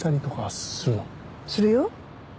するよ。